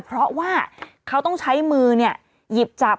เพราะว่าเขาต้องใช้มือหยิบจับ